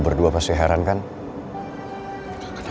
pertama kali gue nyampe lo